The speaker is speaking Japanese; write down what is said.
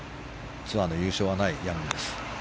ツアーの優勝はないヤングです。